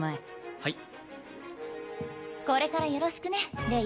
はいこれからよろしくねレイ